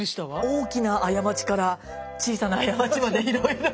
大きな過ちから小さな過ちまでいろいろと。